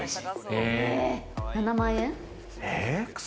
７万円？